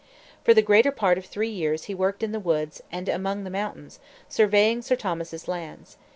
For the greater part of three years he worked in the woods and among the mountains, surveying Sir Thomas's lands.